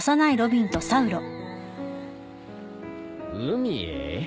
海へ？